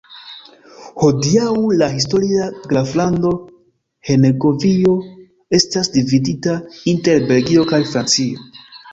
Hodiaŭ la historia graflando Henegovio estas dividita inter Belgio kaj Francio.